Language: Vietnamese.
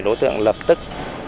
đối tượng lập tức